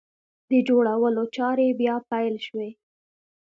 د جوړولو چارې بیا پیل شوې!